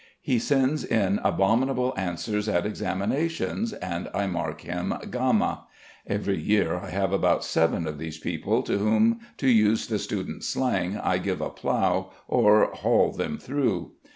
He sends in abominable answers at examinations, and I mark him gamma. Every year I have about seven of these people to whom, to use the students' slang, "I give a plough" or "haul them through."